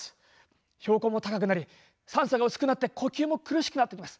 標高も高くなり酸素が薄くなって呼吸も苦しくなってきます。